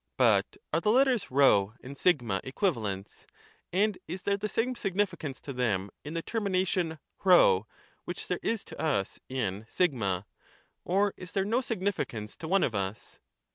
But are the letters p and a equivalents ; and is there the same significance to them in the termination p, which there is to us in o, or is there no significance to one of us?